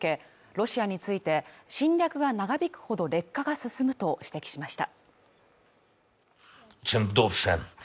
ロシアについて侵略が長引くほど劣化が進むと指摘しました。